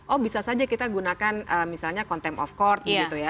oh bisa saja kita gunakan misalnya contempt of court